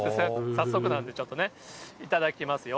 早速なんで、ちょっとね、いただきますよ。